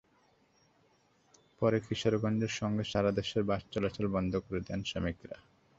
পরে কিশোরগঞ্জের সঙ্গে সারা দেশের বাস চলাচল বন্ধ করে দেন শ্রমিকেরা।